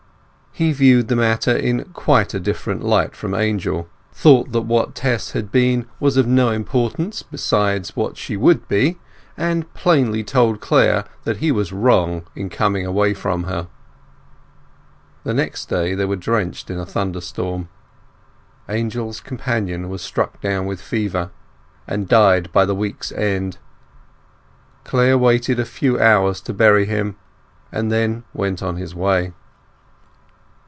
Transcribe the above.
He viewed the matter in quite a different light from Angel; thought that what Tess had been was of no importance beside what she would be, and plainly told Clare that he was wrong in coming away from her. The next day they were drenched in a thunder storm. Angel's companion was struck down with fever, and died by the week's end. Clare waited a few hours to bury him, and then went on his way.